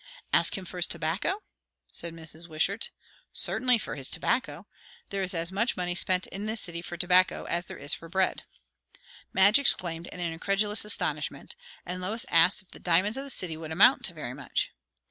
"Ask him for his tobacco?" said Mrs. Wishart. "Certainly for his tobacco. There is as much money spent in this city for tobacco as there is for bread." Madge exclaimed in incredulous astonishment; and Lois asked if the diamonds of the city would amount to very much.